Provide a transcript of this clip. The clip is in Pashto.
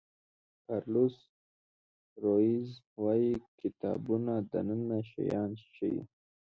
کارلوس رویز وایي کتابونه دننه شیان ښیي.